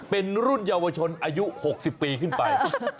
เป็นรุ่นเยาวชนอายุ๖๐ปีขึ้นไป